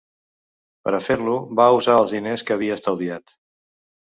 Per a fer-lo va usar els diners que havia estalviat.